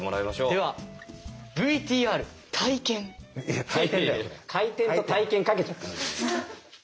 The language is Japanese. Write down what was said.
ではＶＴＲ「回転」と「体験」かけちゃった。